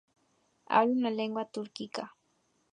Hablan una lengua túrquica.